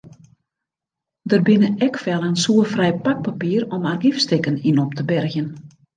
Der binne ek fellen soerfrij pakpapier om argyfstikken yn op te bergjen.